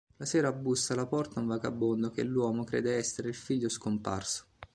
Una sera bussa alla porta un vagabondo che l'uomo crede essere il figlio scomparso.